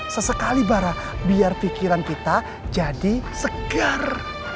sesekali bara biar pikiran kita jadi segar